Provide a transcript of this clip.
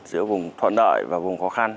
giữa vùng thuận đợi và vùng khó khăn